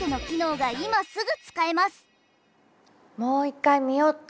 もう一回見よっと！